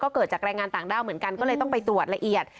เกิดจากแรงงานต่างด้าวเหมือนกันก็เลยต้องไปตรวจละเอียด